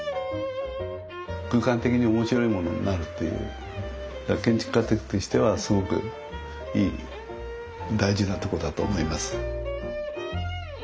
空間的に面白いものになるっていう建築家としてはすごくいい大事なとこだと思います。